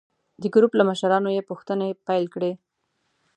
د ګروپ له مشرانو یې پوښتنې پیل کړې.